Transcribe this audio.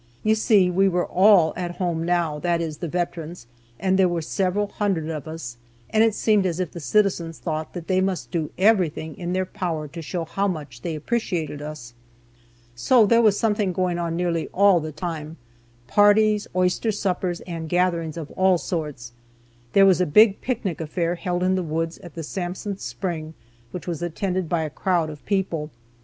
You see, we were all at home now, that is, the veterans, and there were several hundred of us, and it seemed as if the citizens thought that they must do everything in their power to show how much they appreciated us. So there was something going on nearly all the time; parties, oyster suppers, and gatherings of all sorts. There was a big picnic affair held in the woods at the Sansom Spring which was attended by a crowd of people.